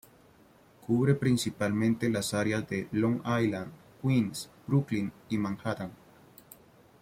Cubre principalmente las áreas de Long Island, Queens, Brooklyn y Manhattan.